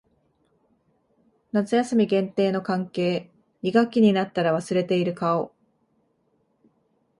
夏休み限定の関係。二学期になったら忘れている顔。